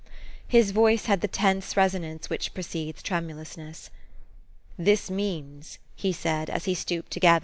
His voice had the tense resonance which precedes tremulousness. "This means," he said, as he stooped to gather THE STORY OF AVIS.